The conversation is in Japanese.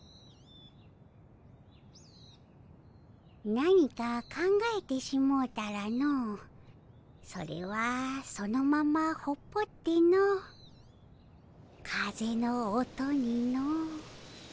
何か考えてしもうたらのそれはそのままほっぽっての風の音にの。